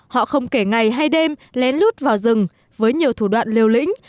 họ không kể ngày hay đêm lén lút vào rừng với nhiều thủ đoạn liều lĩnh